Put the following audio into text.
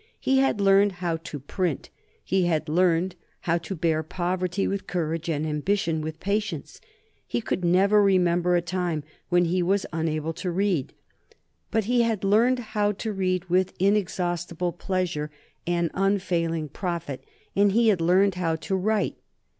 He had learned how to print; he had learned how to bear poverty with courage and ambition with patience; he could never remember a time when he was unable to read, but he had learned how to read with inexhaustible pleasure and unfailing profit, and he had learned how to write.